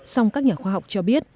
song các nhà khoa học cho biết